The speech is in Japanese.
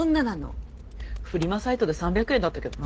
フリマサイトで３００円だったけどな。